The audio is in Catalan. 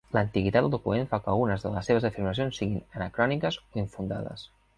L'antiguitat del document fa que algunes de les seves afirmacions siguin anacròniques o infundades.